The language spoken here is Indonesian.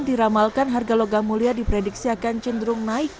diramalkan harga logam mulia diprediksi akan cenderung naik